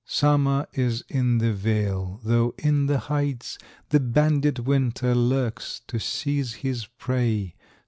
Summer is in the vale, though in the heights The bandit Winter lurks to seize his prey.